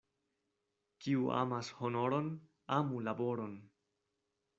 Kiu amas honoron, amu laboron.